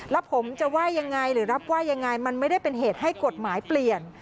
แล้วผมจะว่ายังไงหรือรับว่ายังไงมันไม่ได้เป็นเหตุให้กฎหมายเปลี่ยน